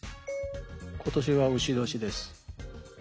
「今年は丑年です」。